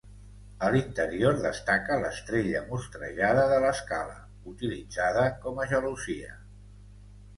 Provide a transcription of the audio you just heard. A l'interior destaca l'estrella mostrejada de l'escala, utilitzada com a gelosia.